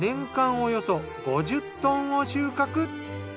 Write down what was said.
およそ５０トンを収穫。